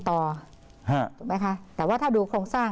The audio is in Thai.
ถูกไหมคะแต่ว่าถ้าดูโครงสร้าง